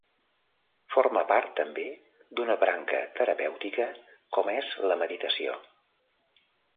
Forma part també d'una branca terapèutica com és la meditació.